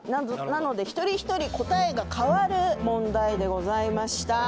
なので一人一人答えが変わる問題でございました。